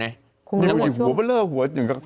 เหมือนจะมือเท่ามือ